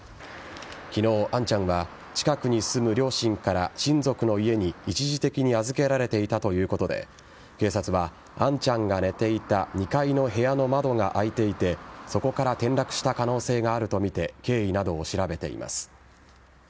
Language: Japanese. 昨日、杏ちゃんは近くに住む両親から親族の家に一時的に預けられていたということで警察は杏ちゃんが寝ていた２階の部屋の窓が開いていてそこから転落した可能性があるとみて経緯などを調べています。